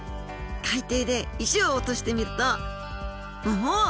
海底で石を落としてみるとおおっ！